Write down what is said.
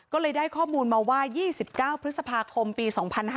ก็เลยได้ข้อมูลมาว่า๒๙พฤษภาคมปี๒๕๕๙